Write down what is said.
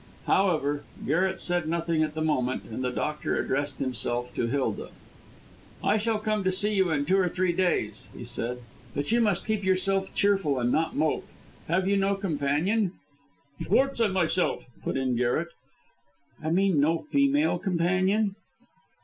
However, Garret said nothing at the moment, and the doctor addressed himself to Hilda. "I shall come and see you in two or three days," he said. "But you must keep yourself cheerful and not mope. Have you no companion?" "Schwartz and myself," put in Garret. "I mean no female companion?"